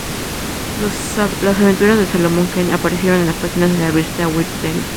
Las aventuras de Solomon Kane aparecieron en las páginas de la revista "Weird Tales".